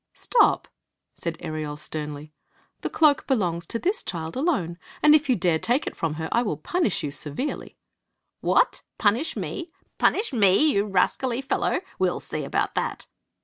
"Stop!" said Ereol, sternly. "The cloak belongs to this child abne, and if you dare take it from her I wil pumsh y ^>7 merely." "Wh^l Funisii me! Puni^ me, you rascally fellow! We'll see about that."